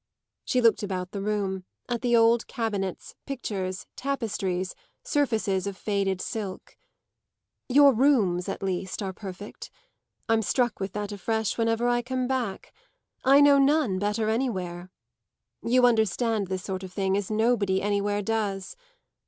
She looked about the room at the old cabinets, pictures, tapestries, surfaces of faded silk. "Your rooms at least are perfect. I'm struck with that afresh whenever I come back; I know none better anywhere. You understand this sort of thing as nobody anywhere does.